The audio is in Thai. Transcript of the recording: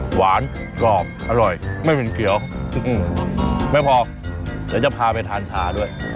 หวานกรอบอร่อยไม่เหม็นเกี้ยวไม่พอเดี๋ยวจะพาไปทานชาด้วย